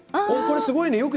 「これ、すごいね！